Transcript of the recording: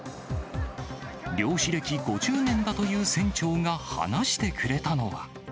漁師歴５０年だという船長が話してくれたのは。